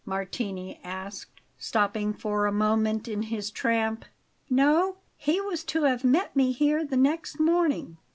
Martini asked, stopping for a moment in his tramp. "No; he was to have met me here the next morning."